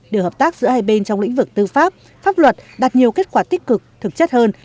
đều hợp tác giữa hai bên trong lĩnh vực tư pháp pháp luật đạt nhiều kết quả tích cực thực chất hơn